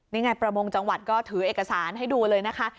นี่ไงประมงจังหวัดก็ถือเอกสารให้ดูเลยนะคะ